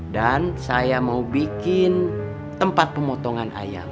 dan saya mau bikin tempat pemotongan ayam